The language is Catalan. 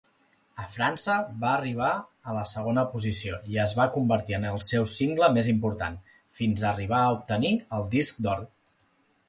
A França, va arribar a la segona posició i es va convertir en el seu single més important, fins arribar a obtenir el disc d'or.